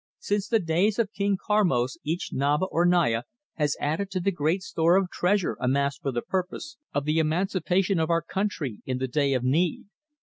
Since the days of King Karmos each Naba or Naya has added to the great store of treasure amassed for the purpose of the emancipation of our country in the day of need.